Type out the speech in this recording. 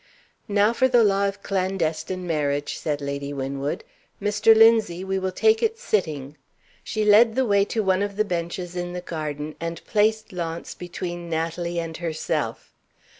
"Now for the Law of Clandestine Marriage!" said Lady Winwood. "Mr. Linzie, we will take it sitting." She led the way to one of the benches in the garden, and placed Launce between Natalie and herself.